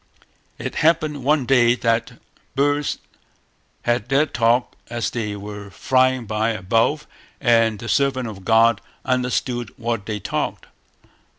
It happened one day that birds had their talk as they were flying by above and the servant of God understood what they talked.